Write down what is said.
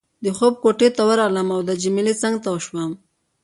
د خوب کوټې ته ورغلم او د جميله څنګ ته شوم.